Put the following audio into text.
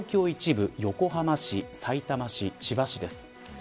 一部、横浜市さいたま市、千葉市です。